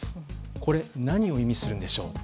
これ、何を意味するんでしょう。